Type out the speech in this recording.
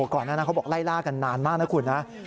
ก่อนนั้นเขาบอกไล่ล่ากันนานมากนะคุณนะ